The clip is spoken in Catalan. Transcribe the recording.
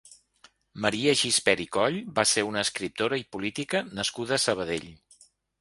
Maria Gispert i Coll va ser una escriptora i política nascuda a Sabadell.